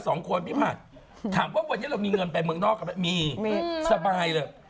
สองคนพี่ผัดถามว่าวันนี้เรามีเงินไปเมืองนอกกันไหมมีมีสบายเลย